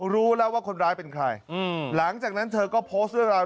รู้แล้วว่าคนร้ายเป็นใครหลังจากนั้นเธอก็โพสต์เรื่องราว